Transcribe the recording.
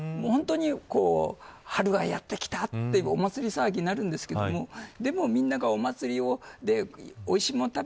本当に春がやってきたってお祭り騒ぎになるんですけどでも、みんながお祭りでおいしいもの